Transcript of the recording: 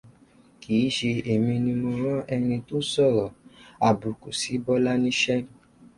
Kìí ṣe èmi ni mó ràn ẹni tó sọ̀rọ̀ abùkù sí Bọ́lá níṣẹ́.